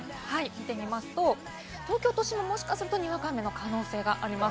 見てみますと、東京都心ももしかすると、にわか雨の可能性があります。